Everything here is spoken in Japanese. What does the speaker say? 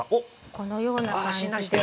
このような感じではい。